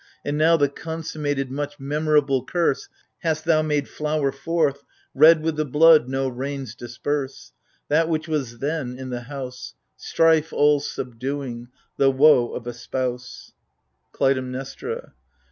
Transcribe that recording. and now the consummated Much memorable curse Hast thou made flower forth, red With the blood no rains disperse, That which was then in the House — Strife all subduing, the woe of a spouse. KLUTAIMNESTRA.